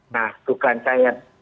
nah bukan saya